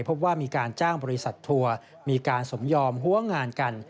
พบว่ามีการจ้างบริษัททัวร์มีการสมยอมหัวงานกัน